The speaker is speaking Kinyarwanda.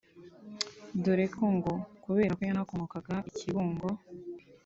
dore ko ngo kubera ko yanakomokaga i Kibungo